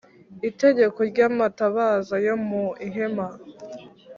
Itegeko ry amatabaza yo mu ihema